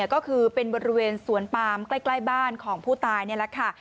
ก็คือเป็นบริเวณสวนปามใกล้บ้านของผู้ตายนี่แหละค่ะ